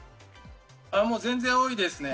もう、全然多いですね。